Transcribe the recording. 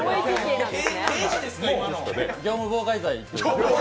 業務妨害罪。